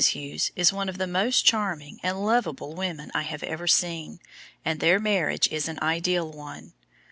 Hughes is one of the most charming, and lovable women I have ever seen, and their marriage is an ideal one.